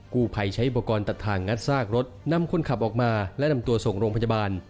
กู้ภัยใช้อุปกรณ์ตัดทางงัดซากรถนำคนขับออกมาและนำตัวส่งโรงพยาบาล